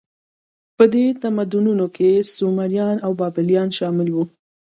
په دې تمدنونو کې سومریان او بابلیان شامل وو.